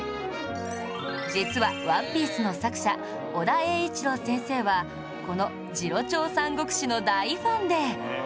実は『ＯＮＥＰＩＥＣＥ』の作者尾田栄一郎先生はこの『次郎長三国志』の大ファンで